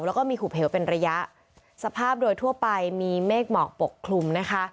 แล้วก็มีหุบเหวเป็นระยะสภาพโดยทั่วไปมีเมฆหมอกปกคลุมนะคะ